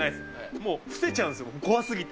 もう伏せちゃうんですよ、怖すぎて。